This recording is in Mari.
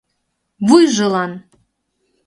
Вуйжылан!